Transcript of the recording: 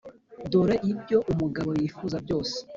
dore ibyo umugabo yifuza byose.